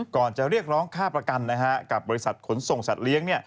ก่อนจะเรียกร้องค่าประกันกับบริษัทขนส่งสัตว์เลี้ยง